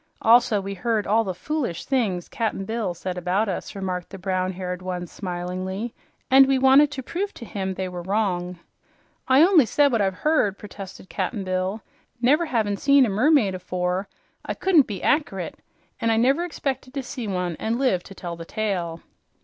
"Also, we heard all the foolish things Cap'n Bill said about us," remarked the brown haired one smilingly, "and we wanted to prove to him that they were wrong." "I on'y said what I've heard," protested Cap'n Bill. "Never havin' seen a mermaid afore, I couldn't be ackerate, an' I never expected to see one an' live to tell the tale."